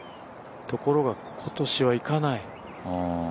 ところが、今年はいかない。